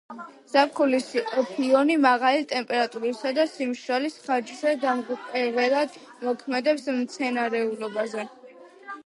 ზაფხულის ფიონი მაღალი ტემპერატურისა და სიმშრალის ხარჯზე დამღუპველად მოქმედებს მცენარეულობაზე.